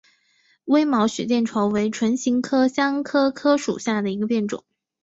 微毛血见愁为唇形科香科科属下的一个变种。